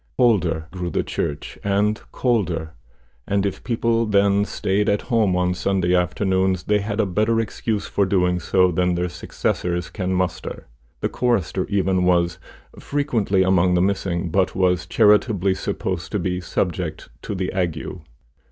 Older grew the church, and colder; and if people then staid at home on Sunday afternoons, they had a better excuse for doing so than their successors can muster. The chorister, even, was frequently among the missing, but was charitably supposed to be subject to the ague.